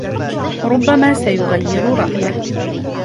ربما سيغير رأيه.